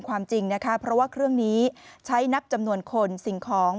ความจริงนะคะเพราะว่าเครื่องนี้ใช้นับจำนวนคนสิ่งของ